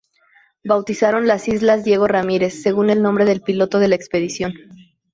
Bautizaron las islas Diego Ramírez, según el nombre del piloto de la expedición.